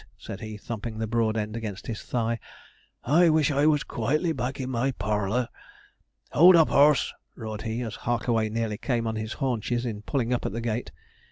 said he, thumping the broad end against his thigh; 'I wish I was quietly back in my parlour. Hold up, horse!' roared he, as Harkaway nearly came on his haunches in pulling up at the gate.